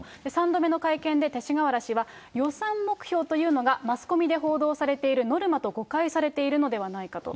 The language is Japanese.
３度目の会見で勅使河原氏は、予算目標というのが、マスコミで報道されているノルマと誤解されているのではないかと。